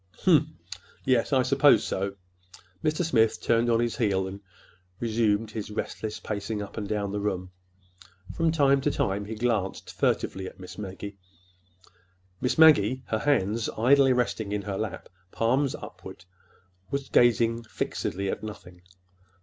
"Humph! Yes, I suppose so." Mr. Smith turned on his heel and resumed his restless pacing up and down the room. From time to time he glanced furtively at Miss Maggie. Miss Maggie, her hands idly resting in her lap, palms upward, was gazing fixedly at nothing.